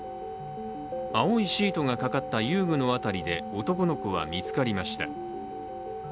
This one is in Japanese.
青いシートがかかった遊具の辺りで男の子は見つかりました。